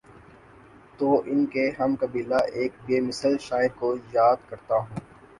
تو ان کے ہم قبیلہ ایک بے مثل شاعرکو یا دکرتا ہوں۔